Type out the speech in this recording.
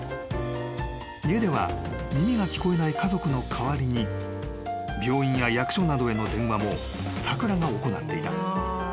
［家では耳が聞こえない家族の代わりに病院や役所などへの電話もさくらが行っていた］